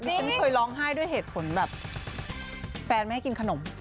ฉันเคยร้องไห้ด้วยเหตุผลแบบแฟนไม่ให้กินขนม